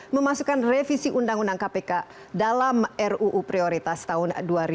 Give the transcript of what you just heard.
memasukkan revisi undang undang kpk dalam ruu prioritas tahun dua ribu dua